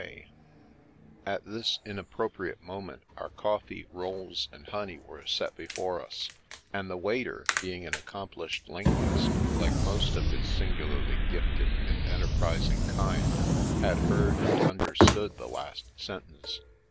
Rank Tyranny 219 At this inappropriate mc«iient, our coffee, rolls, and honey were set before us, and the waiter, being an accomplished linguist, like most of his singularly gifted and enterprising kind, had heard and under stood the last sentence.